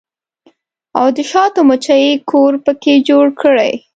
او د شاتو مچۍ کور پکښې جوړ کړي